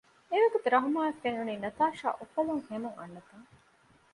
އެވަގުތު ރަހުމާއަށް ފެނުނީ ނަތާޝާ އުފަލުން ހެމުން އަންނަތަން